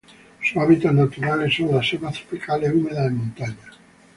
Sus hábitats naturales son las selvas tropicales húmedas de montaña.